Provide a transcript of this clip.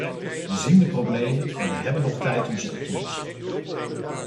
We zien de problemen en we hebben nog tijd om ze op te lossen.